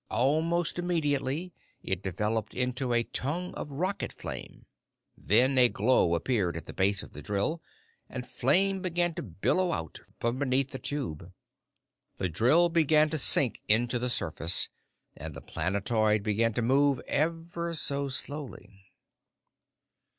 Almost immediately, it developed into a tongue of rocket flame. Then a glow appeared at the base of the drill and flame began to billow out from beneath the tube. The drill began to sink into the surface, and the planetoid began to move ever so slowly.